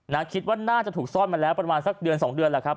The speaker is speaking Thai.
คิดว่าน่าจะถูกซ่อนมาแล้วประมาณสักเดือนสองเดือนแหละครับ